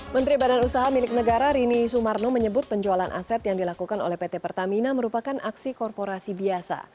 menteri badan usaha milik negara rini sumarno menyebut penjualan aset yang dilakukan oleh pt pertamina merupakan aksi korporasi biasa